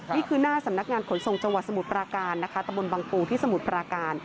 นี่คือหน้าสำนักงานขนส่งจังหวัดสมุทรปราการนะคะตะบนบังปูที่สมุทรปราการ